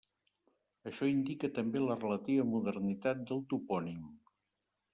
Això indica també la relativa modernitat del topònim.